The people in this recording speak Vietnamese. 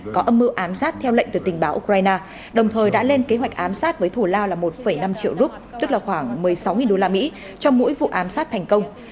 có âm mưu ám sát theo lệnh từ tình báo ukraine đồng thời đã lên kế hoạch ám sát với thù lao là một năm triệu rup tức là khoảng một mươi sáu usd cho mỗi vụ ám sát thành công